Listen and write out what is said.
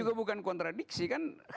juga bukan kontradiksi kan